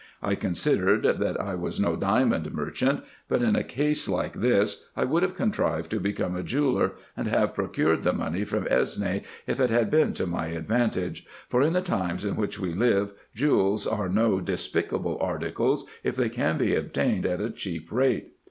I con sidered, that I was no diamond merchant ; but in a case like this, I would have contrived to become a jeweller, and have procured the money from Esne, if it had been to my advantage ; for, in the times in which we live, jewels are no despicable articles, if they can be obtained at a cheap rate.